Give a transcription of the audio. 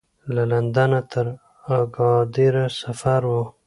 له لندنه تر اګادیره سفر و.